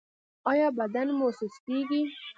ایا بدن مو سستیږي؟